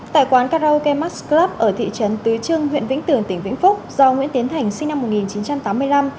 tại quán karaoke max club ở thị trấn tứ trưng huyện vĩnh tường tỉnh vĩnh phúc do nguyễn tiến thành sinh năm một nghìn chín trăm tám mươi năm